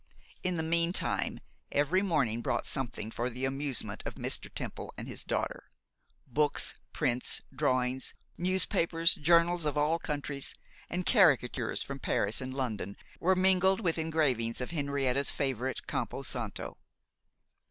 In the meantime, every morning brought something for the amusement of Mr. Temple and his daughter; books, prints, drawings, newspapers, journals of all countries, and caricatures from Paris and London, were mingled with engravings of Henrietta's favourite Campo Santo.